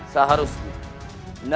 seharusnya nanda prabu seorang raja